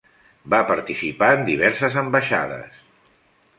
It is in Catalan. Va participar en diverses ambaixades.